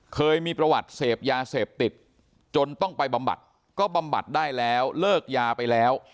เคยมีประวัติเสพยาเสพติดจนต้องไปบำบัดก็บำบัดได้แล้วเลิกยาไปแล้ว